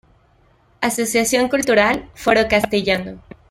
Asociación Cultural Foro Castellano.